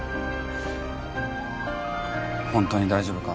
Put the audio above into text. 本当に大丈夫か？